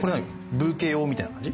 ブーケ用みたいな感じ？